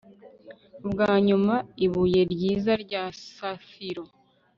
Ubwa nyuma ibuye ryiza rya safiro